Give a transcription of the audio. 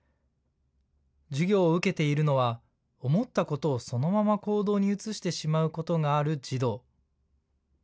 授業を受けているのは思ったことをそのまま行動に移してしまうことがある児童。